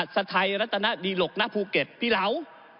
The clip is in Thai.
สไทรรัทนาบีโรคนาภูเก็ตพี่เหลา